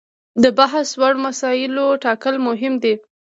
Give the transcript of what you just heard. د بحث وړ مسایلو ټاکل مهم دي.